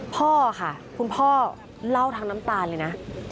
พ่อค่ะคุณพ่อเล่าทั้งน้ำตาลเลยนะ